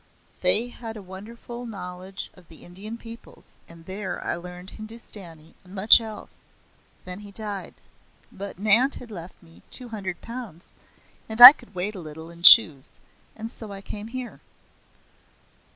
They had a wonderful knowledge of the Indian peoples, and there I learned Hindustani and much else. Then he died. But an aunt had left me two hundred pounds, and I could wait a little and choose; and so I came here."